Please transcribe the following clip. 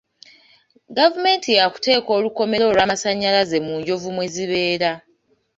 Gavumenti ya kuteeka olukomera olw'amasannyalaze mu enjovu mwe zibeera.